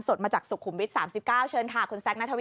สดมาจากสุขุมวิชสามสิบเก้าเชิญค่ะคุณแซคนัทฮะ